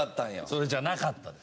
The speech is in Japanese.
それじゃなかったです。